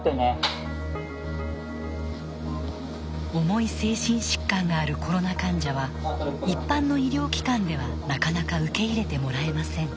重い精神疾患があるコロナ患者は一般の医療機関ではなかなか受け入れてもらえません。